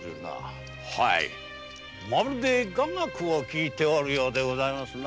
まるで雅楽を聴いておるようでございますな。